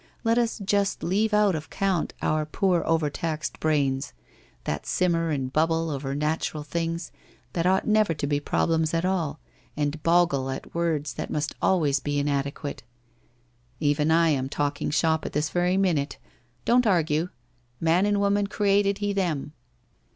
Let U9 just leave out of count our poor over taxed brains, that simmer and bubble over natural things that ought never to be problems at all, and boggle at words that must always be inadequate, ... Even I am talking shop at this very minute. Don't argue. ... Man and woman created He them!